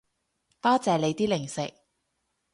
多謝你啲零食